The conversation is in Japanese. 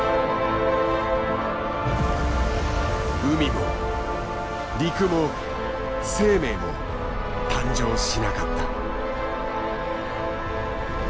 海も陸も生命も誕生しなかった。